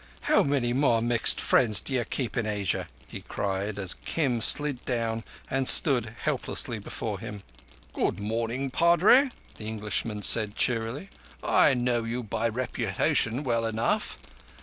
How many more mixed friends do you keep in Asia?" he cried, as Kim slid down and stood helplessly before him. "Good morning, Padre," the Englishman said cheerily. "I know you by reputation well enough.